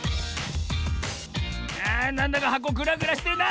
あなんだかはこグラグラしてるな！